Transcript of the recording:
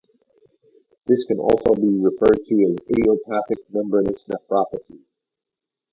This can also be referred to as "idiopathic membranous nephropathy".